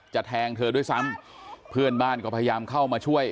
แทงเธอด้วยซ้ำเพื่อนบ้านก็พยายามเข้ามาช่วย